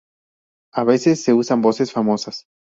A veces se usan voces famosas.